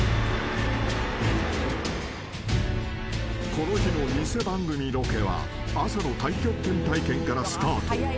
［この日の偽番組ロケは朝の太極拳体験からスタート］